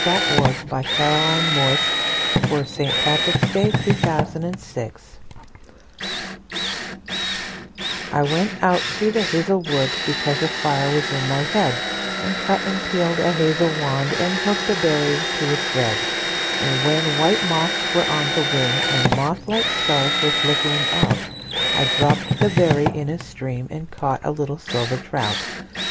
Yeats (1865–1939). The Wind Among the Reeds. 1899. 9. The Song of Wandering Aengus I WENT out to the hazel wood, Because a fire was in my head, And cut and peeled a hazel wand, And hooked a berry to a thread; And when white moths were on the wing, And moth like stars were flickering out,I dropped the berry in a streamAnd caught a little silver trout.